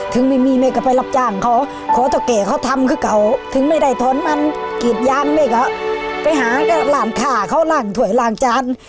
ถึงไม่มีแม่ก็ไปรับจ้างเขาขอเท่าแก่เขาทำคือเขาถึงไม่ได้ถอนมันกรีดยางแม่ก็ไปหาหลานข้าเขาล้างถ้วยล้างจาน